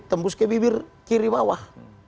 tembus ke bibir kiri bawah